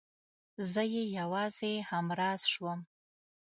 زه يې يوازې همراز شوم.